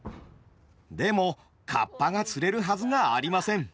でも河童が釣れるはずがありません。